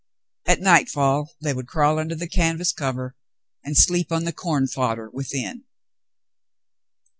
At nightfall they would crawl under the canvas cover and sleep on the corn fodder within.